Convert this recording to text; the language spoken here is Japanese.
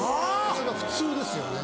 それが普通ですよね